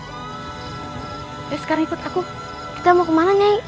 eh sekarang ikut aku kita mau kemana nyai